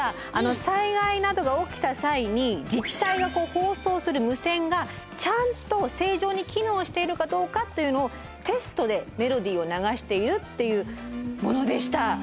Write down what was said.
災害などが起きた際に自治体が放送する無線がちゃんと正常に機能しているかどうかというのをテストでメロディーを流しているっていうものでした。